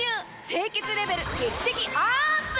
清潔レベル劇的アップ！